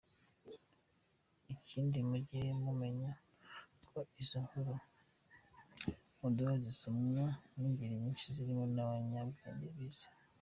ikindi mujye mumenya ko izi nkuru muduha zisomwa ningeri nyinshi zirimo nabanyabwenge bize,.